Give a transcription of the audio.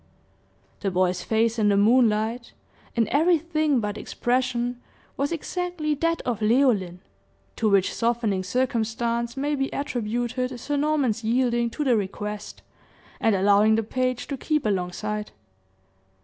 The boy's face in the moonlight, in everything but expression, was exactly that of Leoline, to which softening circumstance may be attributed Sir Norman's yielding to the request, and allowing the page to keep along side.